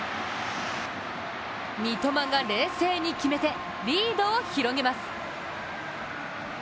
三笘が冷静に決めてリードを広げます。